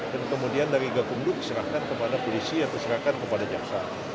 dan kemudian dari gakundu diserahkan kepada polisi atau diserahkan kepada jaksa